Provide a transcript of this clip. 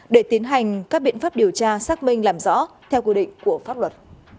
để tiến hành các biện pháp điều tra xác minh làm rõ theo quy định của pháp luật